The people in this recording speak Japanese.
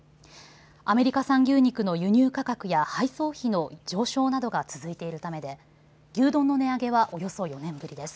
アメリカ産牛肉の輸入価格や配送費の上昇などが続いているためで牛丼の値上げはおよそ４年ぶりです。